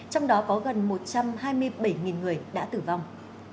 trong đó có gần một trăm hai mươi bảy người đã tử vong